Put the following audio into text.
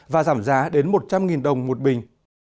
và giảm giá đến một trăm linh đồng một bình